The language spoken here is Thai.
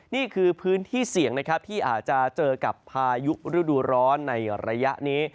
นี่คือพื้นที่เสี่ยงนะครับที่อาจจะเจอกับพายุฤดูร้อนในระยะนี้